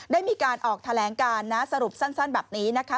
ได้มีการออกแถลงการนะสรุปสั้นแบบนี้นะคะ